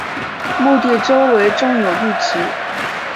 墓地周围种有绿植。